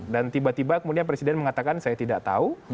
dan tiba tiba kemudian presiden mengatakan saya tidak tahu